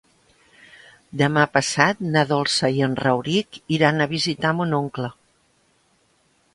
Demà passat na Dolça i en Rauric iran a visitar mon oncle.